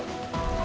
terima kasih pak